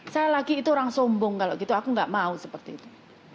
saya lagi itu orang sombong kalau gitu aku gak mau seperti itu